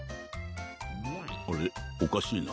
あれおかしいな？